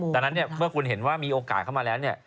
ดังนั้นเนี่ยเมื่อคุณเห็นว่ามีโอกาสเข้ามาแล้วเนี่ย